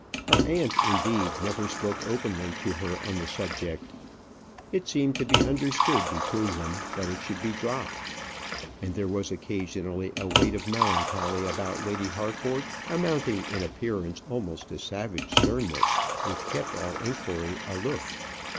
Her aunt, indeed, never spoke openly to her on the subject. It seemed to be understood between them that it should be dropped. And there was occasionally a weight of melancholy about Lady Harcourt, amounting in appearance almost to savage sternness, which kept all inquiry aloof.